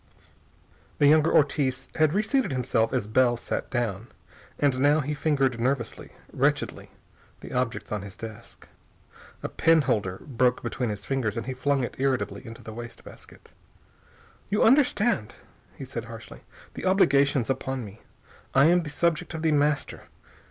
The younger Ortiz had reseated himself as Bell sat down, and now he fingered nervously, wretchedly, the objects on his desk. A penholder broke between his fingers and he flung it irritably into the wastebasket. "You understand," he said harshly, "the obligations upon me. I am the subject of The Master.